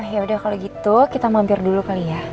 ya udah kalau gitu kita mampir dulu kali ya